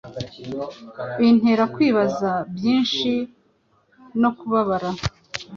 Bintera kwibaza byinshi no kubabara